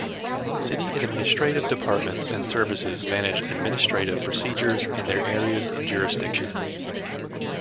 City administrative departments and services manage administrative procedures in their areas of jurisdiction.